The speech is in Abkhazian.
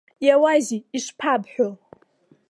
Иауазеи, ишԥабҳәо!